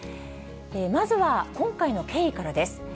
まずは今回の経緯からです。